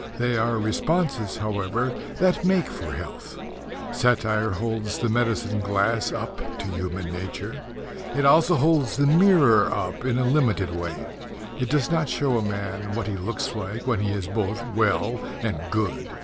They are responses, however, that make for health. Satire holds the medicine glass up to human nature. It also holds the mirror up in a limited way. It does not show a man what he looks like when he is both well and good.